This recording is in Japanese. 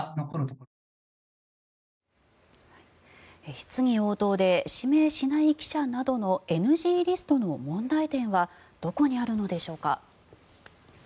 質疑応答で指名しない記者などのＮＧリストの問題点はどこにあるのでしょうか。